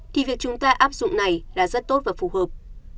thì việc chúng ta áp dụng này là rất tốt và phù hợp